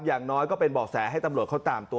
อย่างน้อยก็เป็นบ่อแสให้ตำรวจเขาตามตัว